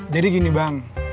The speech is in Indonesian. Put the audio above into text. jadi gini bang